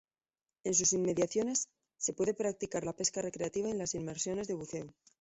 En sus inmediaciones se puede practicar la pesca recreativa y las inmersiones de buceo.